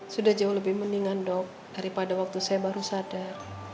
sudah jauh lebih mendingan dok daripada waktu saya baru sadar